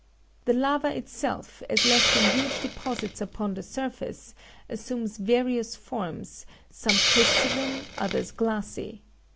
The lava itself, as left in huge deposits upon the surface, assumes various forms, some crystalline, others glassy.